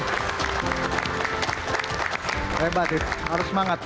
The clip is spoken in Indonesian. hebat itu harus semangat